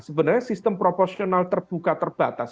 sebenarnya sistem proporsional terbuka terbatas